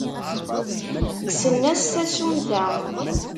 Kksen-as tasummta.